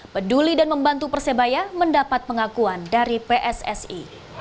peduli dan membantu persebaya mendapat pengakuan dari pssi